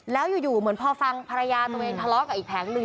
แล้วอยู่เหมือนพอฟังภรรยาตัวเองทะเลาะกับอีกแผงหนึ่ง